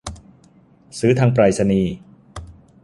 ซื้อทางไปรษณีย์